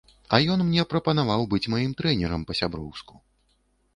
А ён мне прапанаваў быць маім трэнерам па-сяброўску.